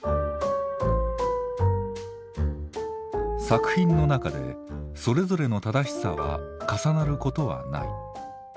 作品の中でそれぞれの「正しさ」は重なることはない。